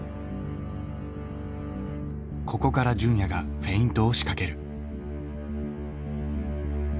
ここから純也がフェイントを仕掛ける。